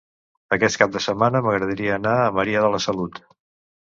Aquest cap de setmana m'agradaria anar a Maria de la Salut.